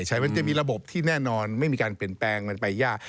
ใช่มันจะมีระบบที่แน่นอนไม่มีการเปลี่ยนแปลงมันไปยาก